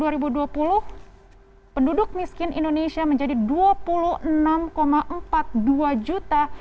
pada tahun dua ribu dua puluh penduduk miskin di indonesia menjadi dua puluh enam empat puluh dua juta